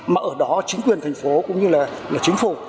mà ở đó chính quyền thành phố cũng như là chính phủ